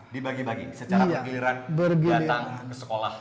dibagi bagi secara bergiliran datang ke sekolah